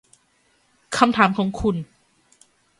คำถามของคุณ